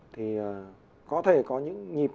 thì có thể có những nhịp